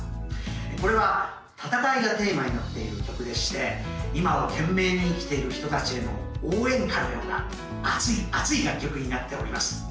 これは「闘い」がテーマになっている曲でして今を懸命に生きている人達への応援歌のような熱い熱い楽曲になっております